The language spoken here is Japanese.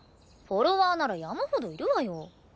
フォロワーなら山ほどいるわよ。